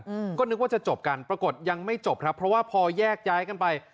อืมก็นึกว่าจะจบกันปรากฏยังไม่จบครับเพราะว่าพอแยกย้ายกันไป